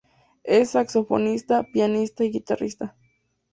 Es saxofonista, pianista y guitarrista.